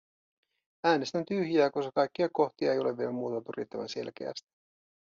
Äänestän tyhjää, koska kaikkia kohtia ei ole vielä muotoiltu riittävän selkeästi.